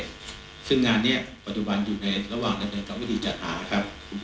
ลำนานปัจจุบันอยู่ในระหว่างระดับวิธีจัดหา